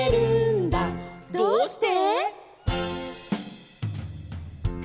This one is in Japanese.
「どうして？」